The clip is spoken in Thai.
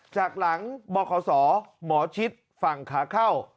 จากหลังบขศหมอชิดฝั่งขาเข้า